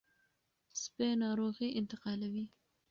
سپي ناروغي انتقالوي.